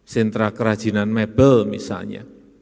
sentra kerajinan mebel misalnya